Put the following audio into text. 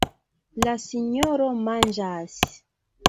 La sinjoro manĝas.